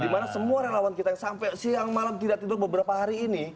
dimana semua relawan kita yang sampai siang malam tidak tidur beberapa hari ini